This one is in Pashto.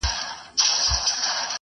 هر انسان خپل حقيقت لټوي تل.